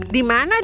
di mana dia